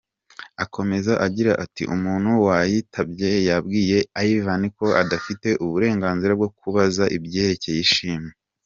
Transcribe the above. Akomeza agira ati “Umuntu wayitabye yabwiye Ivan ko adafite uburenganzira bwo kubaza ibyerekeye Ishimwe.